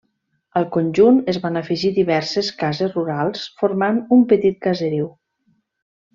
Al conjunt, es van afegir diverses cases rurals, formant un petit caseriu.